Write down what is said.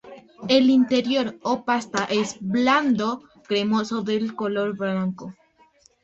El interior o pasta es blando, cremoso, de color blanco.